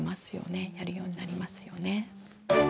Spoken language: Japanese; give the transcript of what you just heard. やるようになりますよね。